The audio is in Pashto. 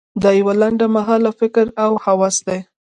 دا یو لنډ مهاله فکر او هوس دی.